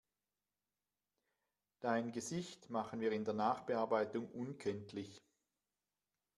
Dein Gesicht machen wir in der Nachbearbeitung unkenntlich.